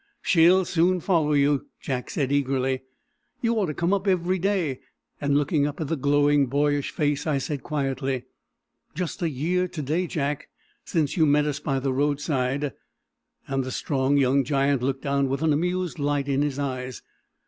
"She'll soon follow you," Jack said eagerly, "you ought to come up every day"; and looking up at the glowing, boyish face, I said quietly: "Just a year to day, Jack, since you met us by the roadside," and the strong young giant looked down with an amused light in his eyes.